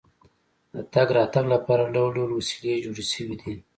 د تګ راتګ لپاره ډول ډول وسیلې جوړې شوې دي.